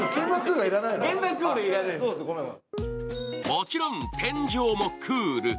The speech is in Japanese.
もちろん天井もクール。